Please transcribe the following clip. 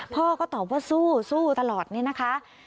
พ่อก็ตอบว่าสู้สู้ตลอดเนี่ยนะคะ